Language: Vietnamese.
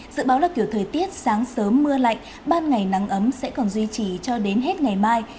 dự báo là kiểu thời tiết sáng sớm mưa lạnh ban ngày nắng ấm sẽ còn duy trì cho đến hết ngày mai